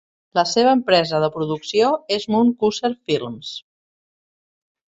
La seva empresa de producció es Mooncusser Films.